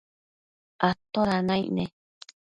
¿atoda naic ne?